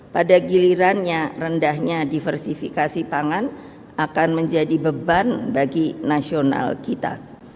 pada gilirannya rendahnya diversifikasi pangan akan menjadi beban bagi nasional kita